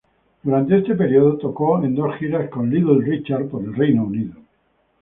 Durante este periodo tocó en dos giras con Little Richard por Reino Unido.